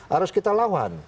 harus kita lawan